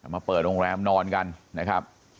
มาเปิดโรงแรมนอนกันนะครับ